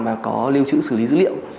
mà có lưu trữ xử lý dữ liệu